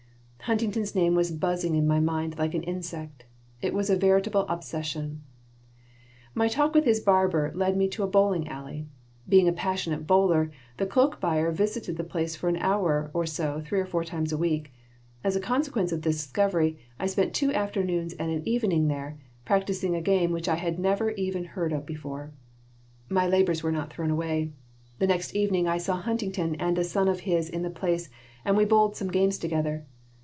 Huntington's name was buzzing in my mind like an insect. It was a veritable obsession My talk with his barber led me to a bowling alley. Being a passionate bowler, the cloak buyer visited the place for an hour or so three or four times a week. As a consequence of this discovery I spent two afternoons and an evening there, practising a game which I had never even heard of before My labors were not thrown away. The next evening I saw Huntington and a son of his in the place and we bowled some games together.